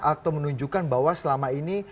atau menunjukkan bahwa selama ini